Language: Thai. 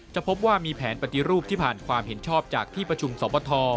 พบว่ามีแผนปฏิรูปที่ผ่านความเห็นชอบจากที่ประชุมสอบบท